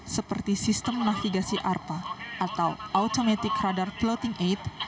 seperti sistem navigasi arpa atau automatic radar plothing aid